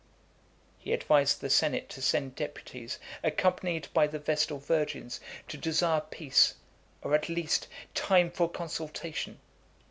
XVI. He advised the senate to send deputies, accompanied by the Vestal Virgins, to desire peace, or, at least, time for consultation.